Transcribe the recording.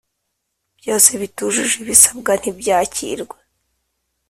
Byose Bitujuje Ibisabwa Ntibyakirwa